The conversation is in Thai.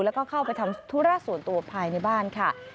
แล้วก็เข้าไปทำธุระส่วนตัวภายในบ้านค่ะ